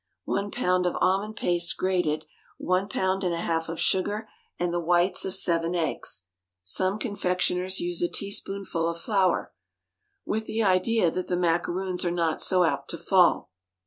One pound of almond paste grated, one pound and a half of sugar, and the whites of seven eggs. Some confectioners use a teaspoonful of flour, with the idea that the macaroons are not so apt to fall.